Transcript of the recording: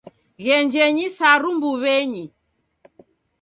Ghenjenyi saru mbuw'enyi